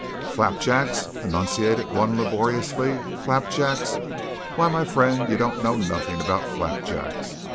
"Flapjacks?" enunciated one laboriously; "flapjacks? Why, my fren', you don't know nothin' about flapjacks.